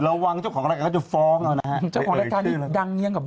ระวังเจ้าของรายการเขาจะฟ้องเราเราทำของรายการดังมาก